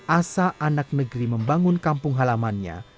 asa anak negeri membangun kampung halamannya